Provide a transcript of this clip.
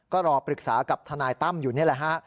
ก็รอปรึกษากับทนายตั้มอยู่นี่แหละฮะ